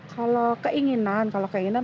kalau keinginan kalau keinginan